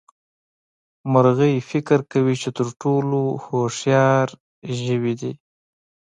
مرغۍ فکر کوي چې تر ټولو هوښيار ژوي دي.